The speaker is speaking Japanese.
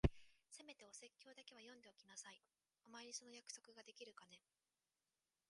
せめてお説教だけは読んでおきなさい。お前にその約束ができるかね？